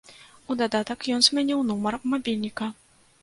У дадатак ён змяніў нумар мабільніка.